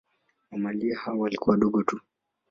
Mamalia hao walikuwa wadogo tu.